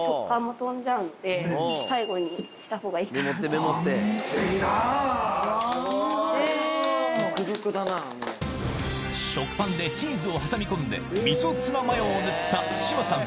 ネギ⁉食パンでチーズを挟み込んでみそツナマヨを塗った志麻さん